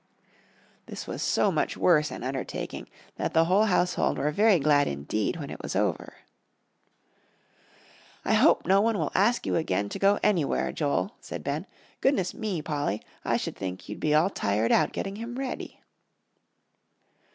This was so much worse an undertaking, that the whole household were very glad indeed when it was over. "I hope no one will ask you again to go anywhere, Joel," said Ben. "Goodness me, Polly, I sh'd think you'd be all tired out getting him ready!"